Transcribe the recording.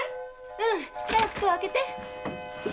うん早く戸を開けて。